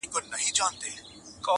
اوس مي تا ته دي راوړي سوغاتونه٫